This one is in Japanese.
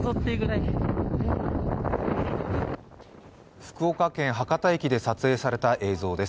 福岡県・博多駅で撮影された映像です。